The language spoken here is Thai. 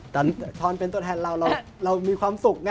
ตอนเป็นตัวแทนเราเรามีความสุขไง